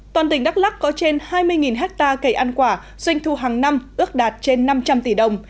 toàn tỉnh đắk lắc có trên hai mươi hectare cây ăn quả doanh thu hàng năm ước đạt trên năm trăm linh tỷ đồng